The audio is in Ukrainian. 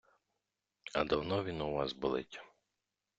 А давно він у вас болить?